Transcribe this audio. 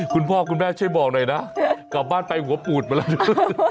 คุณพ่อคุณแม่ช่วยบอกหน่อยนะกลับบ้านไปหัวปูดมาแล้วนะ